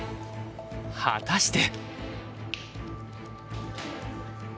果たして。